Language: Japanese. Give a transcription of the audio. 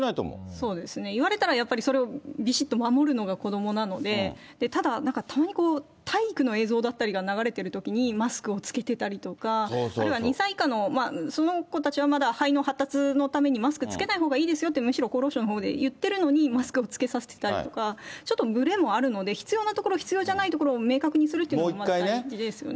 そうですね、言われたらやっぱりそれをびしっと守るのが子どもなので、ただ、なんかたまにこう、体育の映像だったりが流れてるときにマスクを着けてたりだとか、あるいは２歳以下の、その子たちはまだ肺の発達のためにマスク着けないほうがいいですよってむしろ厚労省のほうで言ってるのに、マスクを着けさせてたりとか、ちょっとぶれもあるので、必要なところ、必要じゃないところを明確にするというのも大事ですよね。